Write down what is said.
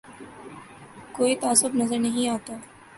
کوئی تعصب نظر نہیں آتا